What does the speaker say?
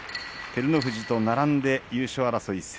照ノ富士と並んで優勝争い